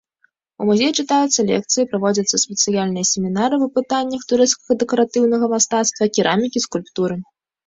У музеі чытаюцца лекцыі, праводзяцца спецыяльныя семінары па пытаннях турэцкага дэкаратыўнага мастацтва, керамікі, скульптуры.